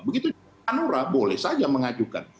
begitu hanura boleh saja mengajukan